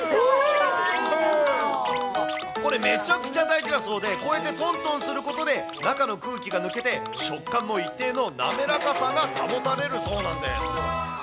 えー、これめちゃくちゃ大事だそうで、こうやってとんとんすることで、中の空気が抜けて、食感も一定の滑らかさが保たれるそうなんです。